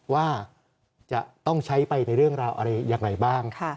ว่าจะต้องใช้ไปในเรื่องราวอะไรยังไงบ้าง